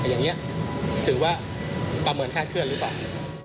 อย่างนี้ถือว่าประเมินค่าเคลื่อนหรือเปล่า